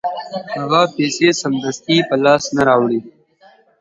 هغه پیسې سمدستي په لاس نه راوړي